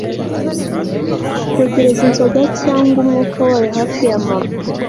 kwegereza inzoga cyangwa umwuka wayo hafi ya mama